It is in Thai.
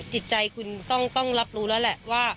จิตใจคุณต้องได้รับรู้แล้ว